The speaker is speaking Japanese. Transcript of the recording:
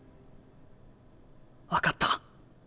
分かった。